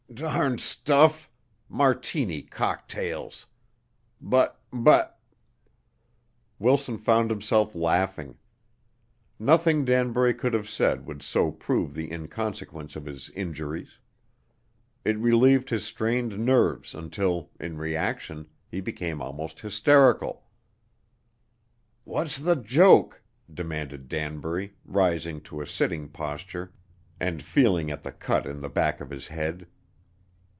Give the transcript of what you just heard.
"Darned stuff Martini cocktails. But but " Wilson found himself laughing. Nothing Danbury could have said would so prove the inconsequence of his injuries. It relieved his strained nerves until, in reaction, he became almost hysterical. "What's the joke?" demanded Danbury, rising to a sitting posture and feeling at the cut in the back of his head.